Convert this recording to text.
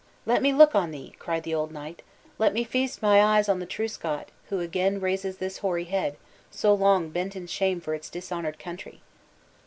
"Let me look on thee!" cried the old knight; "let me feast my eyes on the true Scot, who again raises this hoary head, so long bent in shame for its dishonored country!"